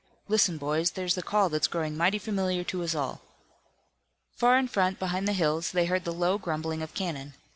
Listen, boys, there's the call that's growing mighty familiar to us all!" Far in front behind the hills they heard the low grumbling of cannon.